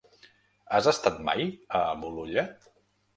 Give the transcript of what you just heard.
Has estat mai a Bolulla?